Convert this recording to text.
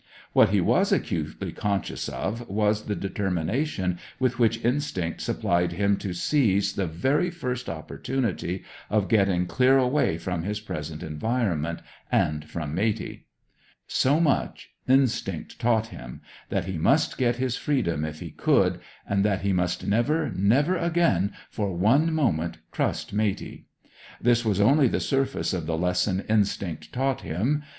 What he was acutely conscious of was the determination with which instinct supplied him to seize the very first opportunity of getting clear away from his present environment, and from Matey. So much, instinct taught him: that he must get his freedom if he could, and that he must never, never again, for one moment, trust Matey. This was only the surface of the lesson instinct taught him.